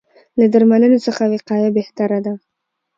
له درملنې څخه وقایه بهتره ده.